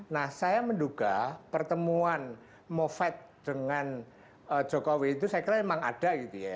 nah saya menduga pertemuan moved dengan jokowi itu saya kira memang ada gitu ya